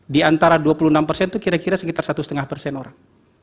di antara dua puluh enam persen itu kira kira sekitar satu lima persen orang